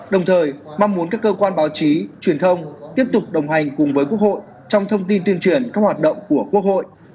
đồng thời mong muốn các cơ quan báo chí truyền thông tiếp tục đồng hành cùng với quốc hội trong thông tin tuyên truyền các hoạt động của quốc hội